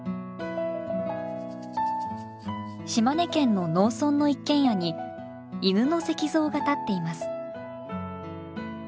島根県の農村の一軒家に犬の石像が建っています。